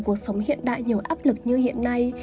cuộc sống hiện đại nhiều áp lực như hiện nay